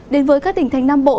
đến với các tỉnh thành nam bộ